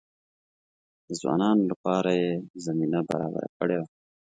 د ځوانانو لپاره یې زمینه برابره کړې وه.